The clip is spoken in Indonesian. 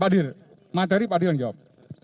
pak diri aja pak diri materi pak diri yang jawab